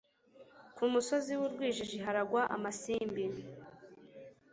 ku musozi w'urwijiji haragwa amasimbi